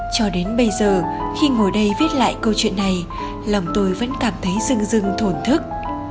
cho đến bây giờ khi ngồi đây viết lại câu chuyện này lòng tôi vẫn cảm thấy rưng dưng thổn thức